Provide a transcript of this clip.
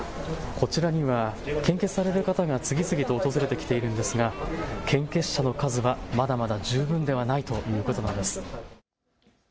こちらには献血される方が次々と訪れてきているんですが献血者の数はまだまだ十分ではないということなんです。